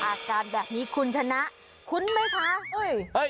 อาการแบบนี้คุณชนะคุ้นไหมคะ